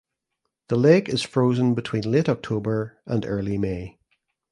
The lake is frozen between late October and early May.